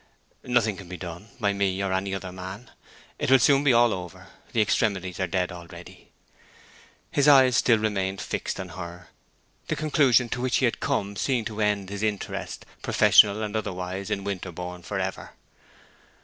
"Nothing can be done, by me or any other man. It will soon be all over. The extremities are dead already." His eyes still remained fixed on her; the conclusion to which he had come seeming to end his interest, professional and otherwise, in Winterborne forever.